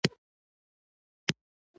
موږ د جنجال نیت او هوډ نه لرو.